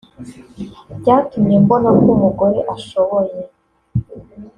byatumye mbona ko umugore ashoboye